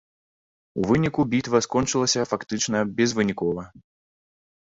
У выніку бітва скончылася фактычна безвынікова.